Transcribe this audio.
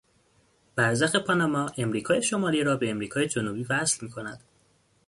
برزخ پاناما امریکای شمالی را به امریکای جنوبی وصل میکند.